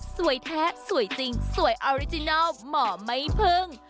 แท้สวยจริงสวยออริจินัลหมอไม่พึ่ง